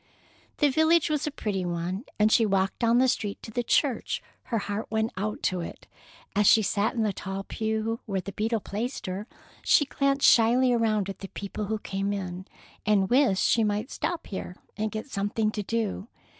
The village was a pretty one, and as she walked down the street to the church her heart went out to it. As she sat in the tall pew where the beadle placed her, she glanced shyly around at the people who came in, and wished she might stop here and get something to do.